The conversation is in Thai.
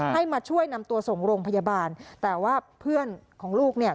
ให้มาช่วยนำตัวส่งโรงพยาบาลแต่ว่าเพื่อนของลูกเนี่ย